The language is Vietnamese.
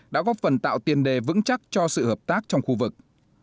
đã góp phần tạo tiền đề vững chắc cho sự hợp tác trong khu vực